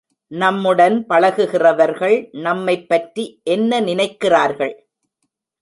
நம்முடன் பழகுகிறவர்கள் நம்மைப் பற்றி என்ன நினைக்கிறார்கள்?